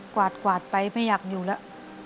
กวาดไปไม่อยากอยู่แล้ว